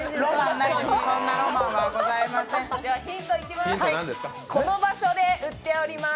ヒントいきます。